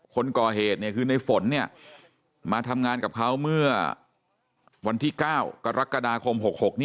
คนก่อเหตุคือในฝนมาทำงานกับเขาเมื่อวันที่๙กรกฎาคม๖๖